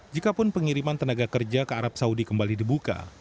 jikapun pengiriman tenaga kerja ke arab saudi kembali dibuka